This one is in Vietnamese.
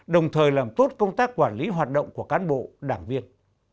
đồng thời làm tốt công tác quản lý hoạt động của cán bộ đảng viên